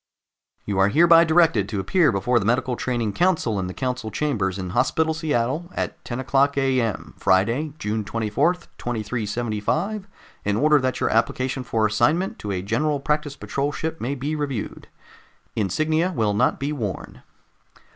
"'You are hereby directed to appear before the medical training council in the council chambers in Hospital Seattle at 10:00 A.M., Friday, June 24, 2375, in order that your application for assignment to a General Practice Patrol ship may be reviewed. Insignia will not be worn.